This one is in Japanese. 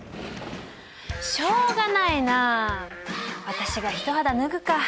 しょうがないなあ私が一肌脱ぐか。